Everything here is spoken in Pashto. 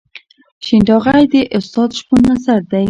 شین ټاغی د استاد شپون اثر دی.